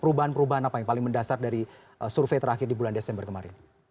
perubahan perubahan apa yang paling mendasar dari survei terakhir di bulan desember kemarin